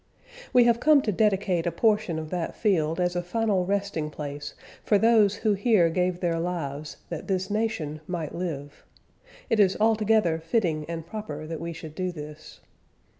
We have come to dedicate a portion of that field as a final resting place for those who here gave their lives that this nation might live. It is altogether fitting and proper that we should do this.